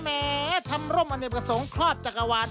แหมทำร่มอเนกประสงค์ครอบจักรวาล